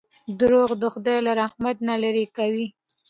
• دروغ د خدای له رحمت نه لرې کوي.